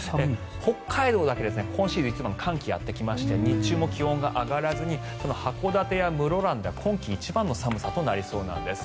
北海道だけ今シーズン一番の寒気がやってきまして日中も気温が上がらずに函館や室蘭では今季一番の寒さとなりそうなんです。